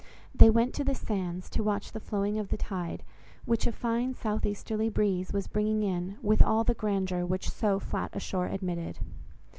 They went to the sands, to watch the flowing of the tide, which a fine south easterly breeze was bringing in with all the grandeur which so flat a shore admitted.